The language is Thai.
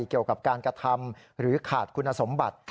เกี่ยวกับการกระทำหรือขาดคุณสมบัติ